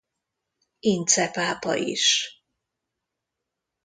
Ince pápa is.